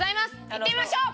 いってみましょう！